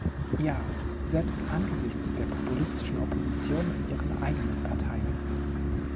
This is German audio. Ja, selbst angesichts der populistischen Opposition in Ihren eigenen Parteien.